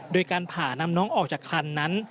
โดยการผ่านำน้องออกจากคันนั้น